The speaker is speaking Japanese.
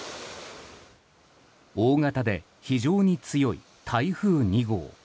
大型で非常に強い台風２号。